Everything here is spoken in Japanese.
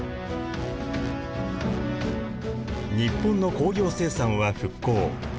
日本の工業生産は復興。